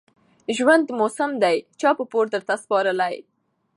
ژوند موسم دى چا په پور درته سپارلى